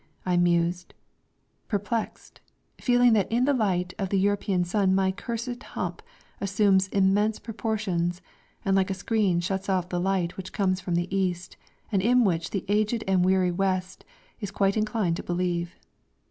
I mused, perplexed, feeling that in the light of the European sun my cursed hump assumes immense proportions and like a screen shuts off the light which comes from the East, and in which the aged and weary West is quite inclined to believe.